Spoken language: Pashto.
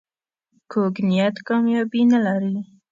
کوږ نیت کامیابي نه لري